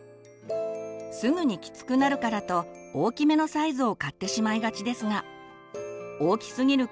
すぐにきつくなるからと大きめのサイズを買ってしまいがちですが大きすぎる